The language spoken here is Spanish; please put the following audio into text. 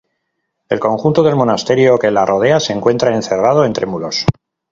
El conjunto del monasterio que la rodea se encuentra encerrado entre muros.